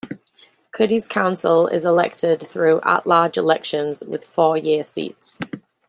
Cudahy's council is elected through at-large elections with four-year seats.